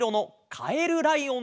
カエルライオン！？